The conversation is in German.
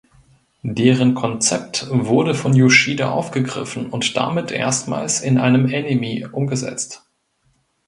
Deren Konzept wurde von Yoshida aufgegriffen und damit erstmals in einem Anime umgesetzt.